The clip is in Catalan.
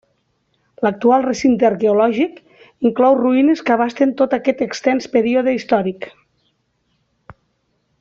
L'actual recinte arqueològic inclou ruïnes que abasten tot aquest extens període històric.